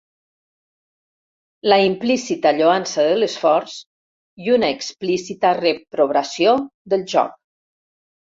La implícita lloança de l'esforç i una explícita reprovació del joc.